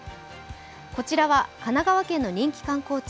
こちらは神奈川県の人気観光地